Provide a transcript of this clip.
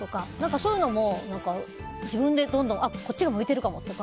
そういうのも自分でどんどんこっちが向いてるかもとか。